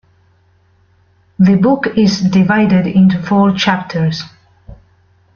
The book is divided into four chapters.